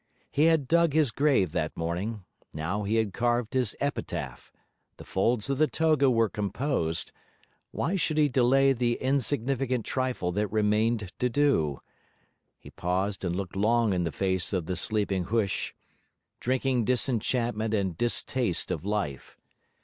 He had dug his grave that morning; now he had carved his epitaph; the folds of the toga were composed, why should he delay the insignificant trifle that remained to do? He paused and looked long in the face of the sleeping Huish, drinking disenchantment and distaste of life.